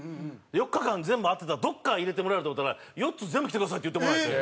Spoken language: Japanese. ４日間全部合ってたらどこかは入れてもらえると思ったら「４つ全部来てください」って言ってもらえて。